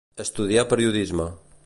Estudià periodisme.